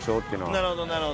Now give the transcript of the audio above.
なるほどなるほど。